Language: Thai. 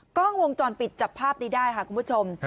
กล้องวงจรปิดจับภาพนี้ได้ค่ะคุณผู้ชม